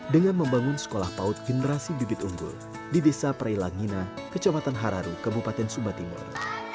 dengan membangun sekolah paut generasi bibit unggul di desa prelangina kecamatan hararu kebupaten sumatimur